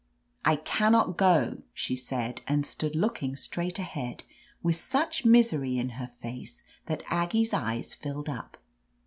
"I can not go," she said, and stood looking straight ahead with such misery in her face that Aggie's eyes filled up.